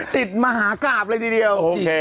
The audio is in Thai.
ติดมหากราบเลยทีเดียว